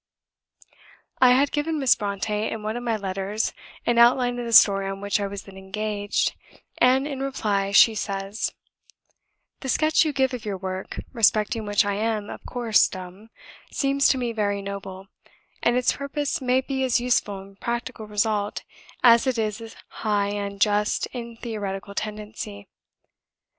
I had given Miss Brontë; in one of my letters, an outline of the story on which I was then engaged, and in reply she says: "The sketch you give of your work (respecting which I am, of course, dumb) seems to me very noble; and its purpose may be as useful in practical result as it is high and just in theoretical tendency.